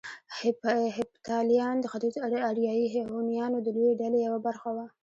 هېپتاليان د ختيځو اریایي هونيانو د لويې ډلې يوه برخه وو